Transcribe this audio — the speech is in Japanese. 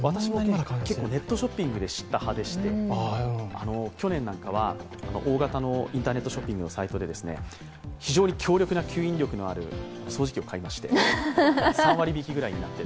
ネットショッピングで知った派でして去年なんかは大型のインターネットのサイトで非常に強力な吸引力のある掃除機を買いまして３割引ぐらいになっていて。